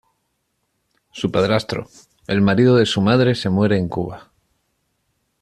Su padrastro, el marido de su madre se muere en Cuba.